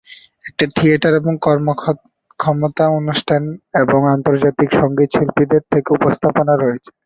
একটি থিয়েটার এবং কর্মক্ষমতা অনুষ্ঠান এবং আন্তর্জাতিক সঙ্গীতশিল্পীদের থেকে উপস্থাপনা রয়েছে।